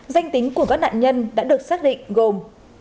danh tính của các nạn nhân đã được xác định gồm